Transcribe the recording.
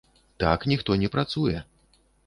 Так ніхто не працуе.